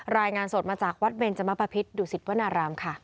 รายงานสดมาจากวัดเบนจมปภิษดุสิตวนารามค่ะ